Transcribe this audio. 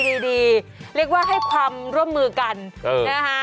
ดีดีเรียกว่าให้ความร่วมมือกันนะฮะ